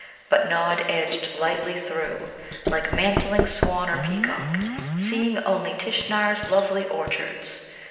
But Nod edged lightly through, like mantling swan or peacock, seeing only Tishnar's lovely orchards.